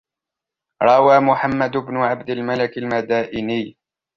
رَوَى مُحَمَّدُ بْنُ عَبْدِ الْمَلِكِ الْمَدَائِنِيُّ